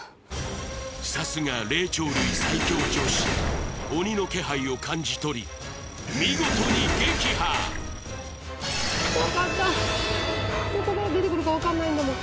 さすが霊長類最強女子鬼の気配を感じ取り見事に撃破怖かったどこで出てくるか分かんないんだもん